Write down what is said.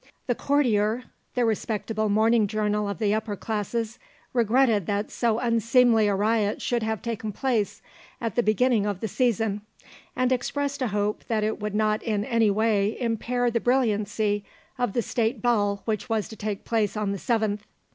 THE COURTIER, the respectable morning journal of the upper classes, regretted that so unseemly a riot should have taken place at the beginning of the season, and expressed a hope that it would not in any way impair the brilliancy of the State Ball which was to take place on the 7th.